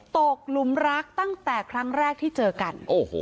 หลุมรักตั้งแต่ครั้งแรกที่เจอกัน